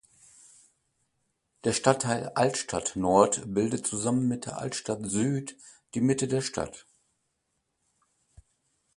Der Stadtteil Altstadt-Nord bildet zusammen mit der Altstadt-Süd die Mitte der Stadt.